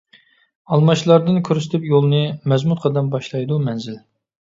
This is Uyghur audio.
ئالماشلاردىن كۆرسىتىپ يولنى، مەزمۇت قەدەم باشلايدۇ مەنزىل.